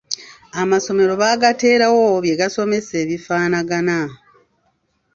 Amasomero baagateerawo bye gasomesa ebifaanagana.